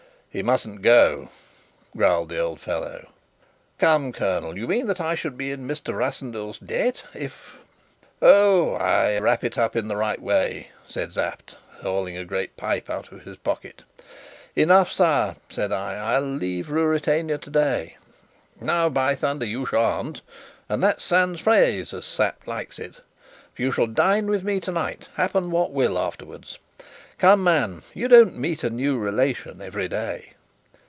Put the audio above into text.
"He mustn't go," growled the old fellow. "Come, colonel, you mean that I should be in Mr. Rassendyll's debt, if " "Oh, ay! wrap it up in the right way," said Sapt, hauling a great pipe out of his pocket. "Enough, sire," said I. "I'll leave Ruritania today." "No, by thunder, you shan't and that's sans phrase, as Sapt likes it. For you shall dine with me tonight, happen what will afterwards. Come, man, you don't meet a new relation every day!"